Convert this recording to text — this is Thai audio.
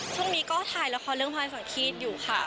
ช่วงนี้ก็ถ่ายละครเรื่องพลอยฝั่งคีตอยู่ค่ะ